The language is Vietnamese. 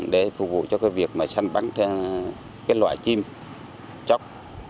để phục vụ cho cái việc mà sang bắn cái loại chim chóc